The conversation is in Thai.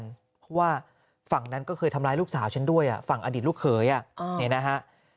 เพราะว่าฝั่งนั้นก็เคยทำร้ายลูกสาวฉันด้วยฝั่งอดีตลูกเขยเนี่ยนะฮะ